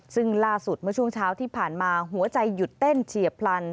ซึ่งล่าสุดเมื่อช่วงเช้าที่ผ่านมาหัวใจหยุดเต้นเฉียบพลัน